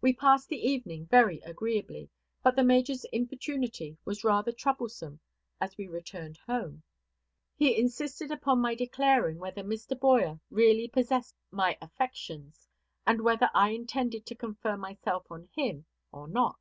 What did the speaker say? We passed the evening very agreeably; but the major's importunity was rather troublesome as we returned home. He insisted upon my declaring whether Mr. Boyer really possessed my affections, and whether I intended to confer myself on him or not.